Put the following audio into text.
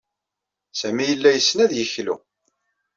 Sami yella yessen ad yeklu.